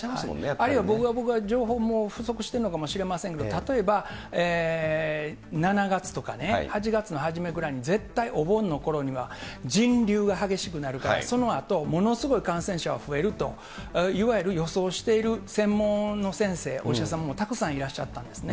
あるいは僕は情報が不足してるのかもしれませんけど、例えば、７月とかね、８月のはじめぐらいに、絶対お盆のころには、人流が激しくなるから、そのあとものすごい感染者が増えると、いわゆる予想している専門の先生、お医者さんもたくさんいらっしゃったんですね。